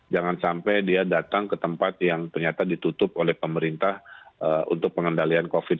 jangan sampai dia datang ke tempat yang ternyata ditutup oleh pemerintah untuk pengendalian covid